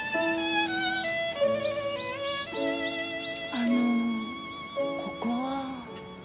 あのここは？